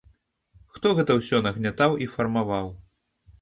Хто гэта ўсё нагнятаў і фармаваў?